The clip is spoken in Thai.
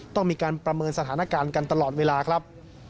ต้องมีการประเมินสถานการณ์กันตลอดเวลาครับ